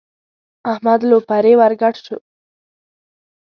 احمد لو پرې ور ګډ شو.